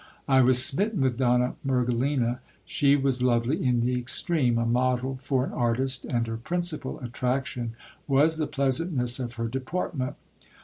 1 was smitten with Donna Mergelina : she was lovely in the extreme, a model for an artist, and her principal attraction was the pleasantness of her deportment.